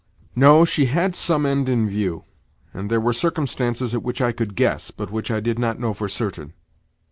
_ No, she had some end in view, and there were circumstances at which I could guess, but which I did not know for certain.